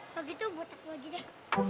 kalau gitu buat aku lagi deh